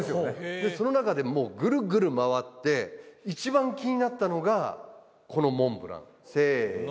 その中でもうグルグル回って一番気になったのがこのモンブランせの！